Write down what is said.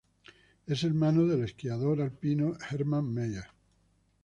Es hermano del esquiador alpino Hermann Maier.